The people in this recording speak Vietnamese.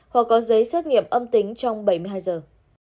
hoặc có giấy xét nghiệm âm tính trong bảy mươi hai giờ